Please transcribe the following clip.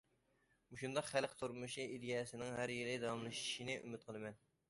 مۇشۇنداق خەلق تۇرمۇشى ئىدىيەسىنىڭ ھەر يىلى داۋاملىشىشىنى ئۈمىد قىلىمەن.